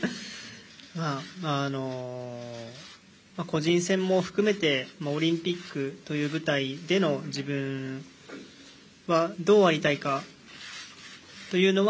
個人戦も含めてオリンピックという舞台で自分はどう在りたいかというのは